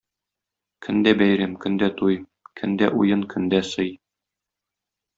Көн дә бәйрәм, көн дә туй, көн дә уен, көн дә сый.